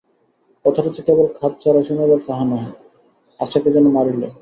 কথাটা যে কেবল খাপছাড়া শুনাইল তাহা নহে, আশাকে যেন মারিল।